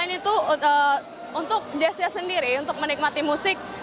selain itu untuk jazznya sendiri untuk menikmati musik